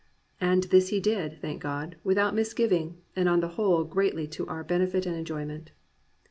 And this he did, thank God, without misgiving, and on the whole greatly to our benefit and enjoyment.